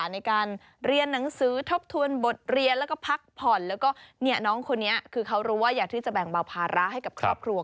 ในการเรียนหนังสือทบทวนบทเรียนแล้วก็พักผ่อนแล้วก็น้องคนนี้คือเขารู้ว่าอยากที่จะแบ่งเบาภาระให้กับครอบครัว